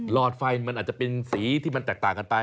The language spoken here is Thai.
อดไฟมันอาจจะเป็นสีที่มันแตกต่างกันไป